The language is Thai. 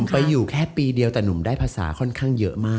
ไปอยู่แค่ปีเดียวแต่หนุ่มได้ภาษาค่อนข้างเยอะมาก